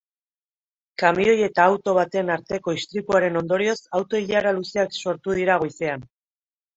Kamioi eta auto baten arteko istripuaren ondorioz auto-ilara luzeak sortu dira goizean.